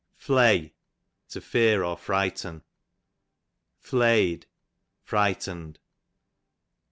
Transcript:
Flay, to fear, to frighten. Flay'd, frightened.